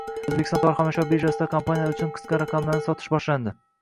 O‘zbekiston tovar-xomashyo birjasida kompaniyalar uchun qisqa raqamlarni sotish boshlandi